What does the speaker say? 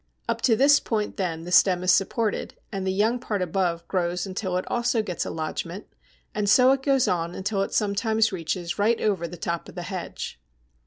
Up to this point then the stem is supported, and the young part above grows until it also gets a lodgment, and so it goes on until it sometimes reaches right over the top of the hedge.